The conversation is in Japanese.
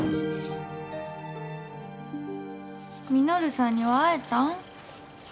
稔さんには会えたん？